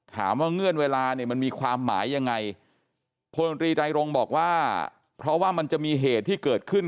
ถามว่าเงื่อนเวลามันมีความหมายอย่างไร